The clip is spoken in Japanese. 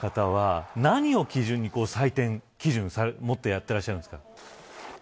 ジャッジの方は何を基準に採点基準をもってやってらっしゃるんですか。